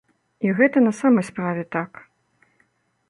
І гэта на самай справе так.